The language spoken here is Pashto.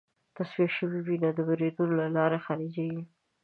تصفیه شوې وینه د وریدونو له لارې خارجېږي.